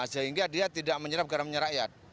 sehingga dia tidak menyerap garamnya rakyat